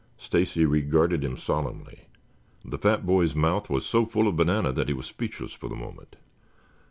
Stacy regarded him solemnly. The fat boy's mouth was so full of banana that he was speechless for the moment.